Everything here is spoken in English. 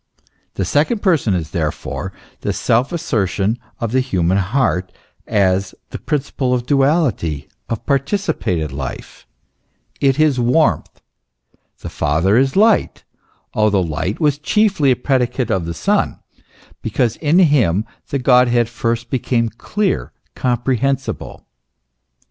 The second Person is therefore the self assertion of the human heart as the principle of duality, of participated life, it is warmth ; the Father is light, although light was chiefly a predicate of the Son, because in him the Godhead first became clear, compre hensible.